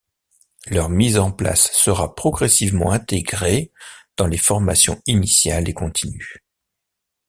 Leur mise en place sera progressivement intégrée dans les formations initiales et continues.